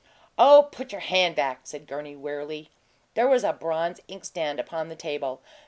"Oh, put your hand back!" said Gurney, wearily. There was a bronze inkstand upon the table.